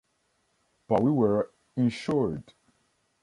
But we were insured.